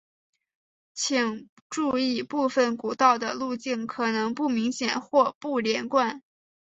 请注意部份古道的路径可能不明显或不连贯。